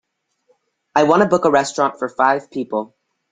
I want to book a restaurant for five people.